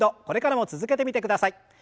これからも続けてみてください。